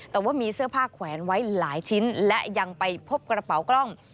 แต่ว่ามีเสื้อผ้าแขวนไว้หลายชิ้นและยังไปพบกระเป๋ากล้อง